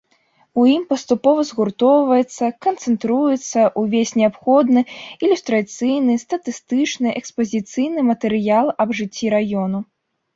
У ім паступова згуртоўваецца, канцэнтруецца ўвесь неабходны ілюстрацыйны, статыстычны, экспазіцыйны матэрыял аб жыцці раёну.